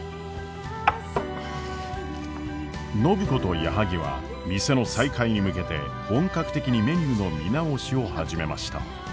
暢子と矢作は店の再開に向けて本格的にメニューの見直しを始めました。